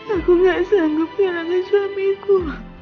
aku gak sanggup kehilangan suamiku